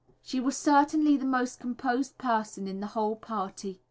She was certainly the most composed person in the whole party.